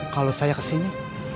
kalau saya kesini